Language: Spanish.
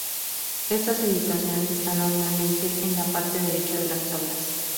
Estas indicaciones están normalmente en la parte derecha de las tablas.